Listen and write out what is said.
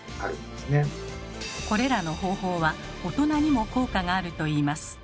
これらの方法は大人にも効果があるといいます。